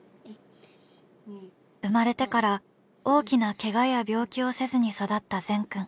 生まれてから大きなケガや病気をせずに育った善くん。